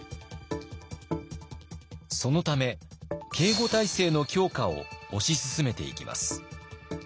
そのため警固体制の強化を推し進めていきます。